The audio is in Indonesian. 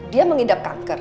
dia mengidap kanker